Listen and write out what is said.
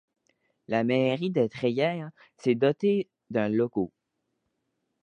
La mairie de Treillières s'est dotée d'un logo.